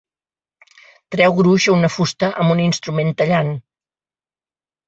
Treu gruix a una fusta amb un instrument tallant.